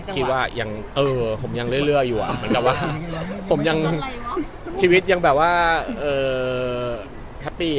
ก็ว่ามีการการนี้มาแล้วกลับไป